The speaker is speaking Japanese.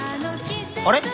あれ？